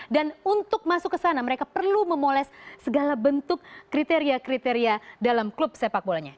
dan untuk masuk ke sana mereka perlu memoles segala bentuk kriteria kriteria dalam klub sepak bolanya